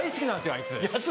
あいつ。